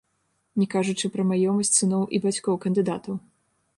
Не кажучы пра маёмасць сыноў і бацькоў кандыдатаў.